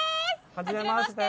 はじめまして！